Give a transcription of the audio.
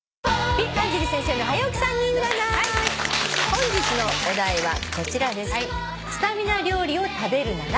本日のお題はこちらです。